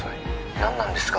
☎何なんですか？